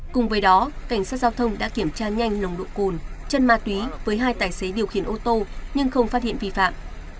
cùng với đó cảnh sát giao thông đã kiểm tra nhanh nồng độ cồn chân ma túy với hai tài xế điều khiển ô tô nhưng không phát hiện vi phạm